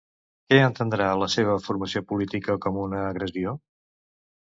Què entendrà la seva formació política com una agressió?